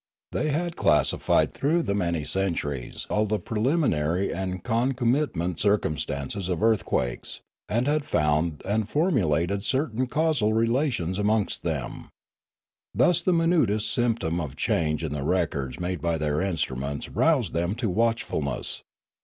They had classified through many centuries all the preliminary and concomitant circumstances of earth quakes, and had found and formulated certain causal relations amongst them. Thus the minutest symptom of change in the records made by their instruments roused them to watchfulness.